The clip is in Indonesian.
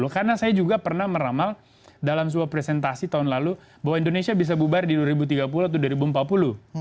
karena saya juga pernah meramal dalam sebuah presentasi tahun lalu bahwa indonesia bisa bubar di dua ribu tiga puluh atau dua ribu empat puluh